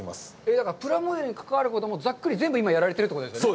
だから、プラモデルにかかわることもざっくり全部やられているということですね。